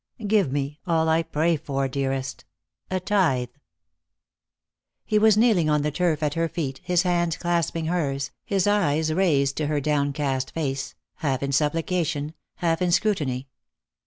Give me all I pray for, dearest — a tithe." He was kneeling on the turf at her feet, his hands clasping hers, his eyes raised to her downcast face, half in supplication, half in scrutiny.